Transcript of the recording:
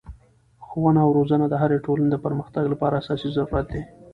ښوونه او روزنه د هري ټولني د پرمختګ له پاره اساسي ضرورت دئ.